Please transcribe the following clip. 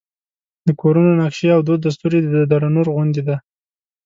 د کورونو نقشې او دود دستور یې د دره نور غوندې دی.